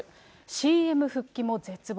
ＣＭ復帰も絶望。